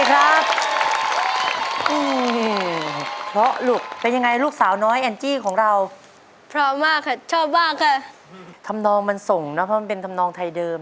หลวงปู่ถวดเท่านี้